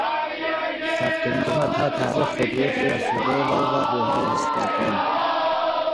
ثبت نام و تعویض خودرو فرسوده و خودرو های اسقاطی